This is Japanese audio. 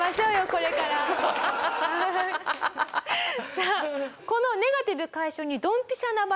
さあこのネガティブ解消にドンピシャな場所。